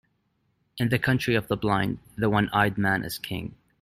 In the country of the blind, the one-eyed man is king.